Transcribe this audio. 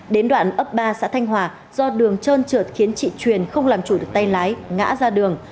đến đoạn ấp ba xã thanh hòa do đường trơn trượt khiến chị truyền không làm chủ được tay lái ngã ra đường